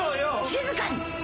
静かに！